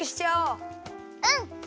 うん！